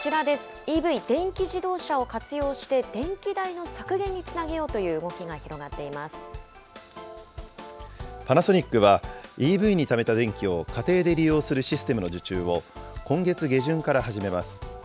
ＥＶ・電気自動車を活用して、電気代の削減につなげようという動パナソニックはＥＶにためた電気を家庭で利用するシステムの受注を今月下旬から始めます。